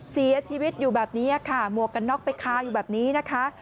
เสียชีวิตอยู่แบบนี้ค่ะหมวกกันน็อกไปคาอยู่แบบนี้นะคะ